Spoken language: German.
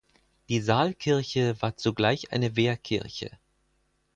Die Saalkirche war zugleich eine Wehrkirche.